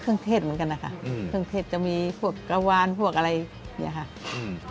เทศเหมือนกันนะคะอืมเครื่องเทศจะมีพวกกะวานพวกอะไรเนี้ยค่ะอืม